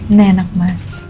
ini enak banget